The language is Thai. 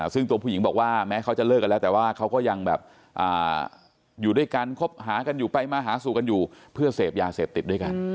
ซึ่งตัวผู้หญิงบอกว่าแม้เขาจะเลิกกันแล้วแต่ว่าเขาก็ยังแบบอยู่ด้วยกันคบหากันอยู่ไปมาหาสู่กันอยู่เพื่อเสพยาเสพติดด้วยกัน